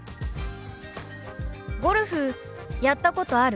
「ゴルフやったことある？」。